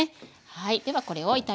はい。